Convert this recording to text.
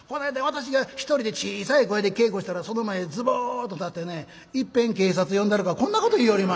私が一人で小さい声で稽古したらその前にズドーンと立ってね『いっぺん警察呼んだろか』こんなこと言いよりまんねん。